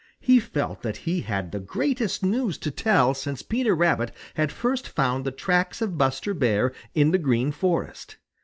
He felt that he had the greatest news to tell since Peter Rabbit had first found the tracks of Buster Bear in the Green Forest.